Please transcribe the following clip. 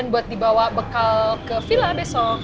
dan buat dibawa bekal ke villa besok